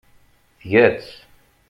Tga-tt.